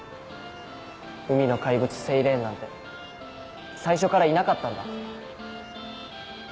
海の怪物・セイレーンなんて最初からいなかったんだ。